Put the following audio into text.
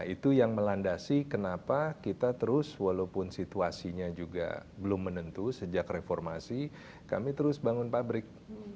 itu yang melandasi kenapa kita terus walaupun situasinya juga belum menentu sejak reformasi kami terus bangun pabrik